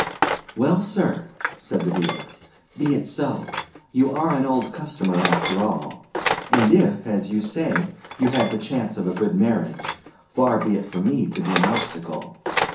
"Well, sir," said the dealer, "be it so. You are an old customer after all; and if, as you say, you have the chance of a good marriage, far be it from me to be an obstacle.